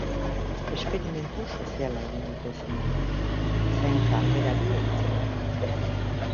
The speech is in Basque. Esperimentu soziala egin dute Zumaian, zaintzaren aferari heltzeko